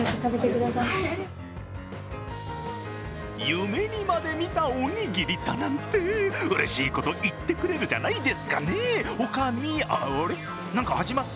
夢にまで見たおにぎりだなんて、うれしいこと言ってくれるじゃないですかねえ、おかみあれっ？